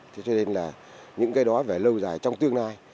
thế cho nên là những cái đó về lâu dài trong tương lai